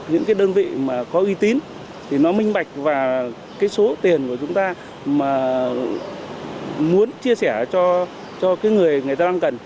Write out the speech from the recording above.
những đơn vị mà có uy tín thì nó minh bạch và số tiền của chúng ta mà muốn chia sẻ cho người người ta đang cần